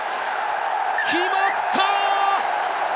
決まった！